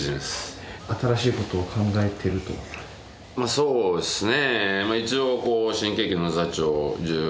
そうですね。